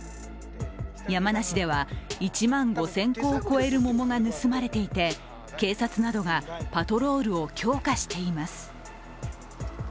山梨では、１万５０００個を超える桃が盗まれていて、警察などがパトロールを強化しています。